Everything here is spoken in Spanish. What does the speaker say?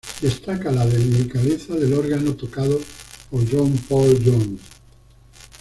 Destaca la delicadeza del órgano tocado por John Paul Jones.